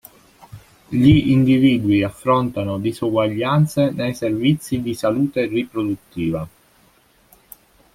Gli individui affrontano disuguaglianze nei servizi di salute riproduttiva.